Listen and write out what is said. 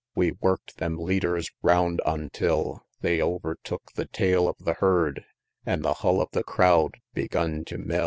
We work'd them leaders round, ontil They overtook the tail of the herd, An' the hull of the crowd begun tew "mill."